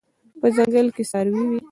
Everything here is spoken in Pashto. په ځنګل کې څاروي وي